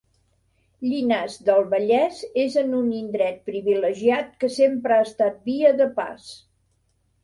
Llinars del Vallès és en un indret privilegiat que sempre ha estat via de pas.